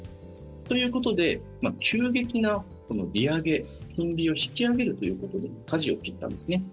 ということで、急激な利上げ金利を引き上げるということでかじを切ったんですね。